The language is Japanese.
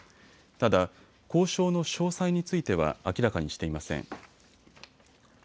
ただ交渉の詳細については明らかにしていません。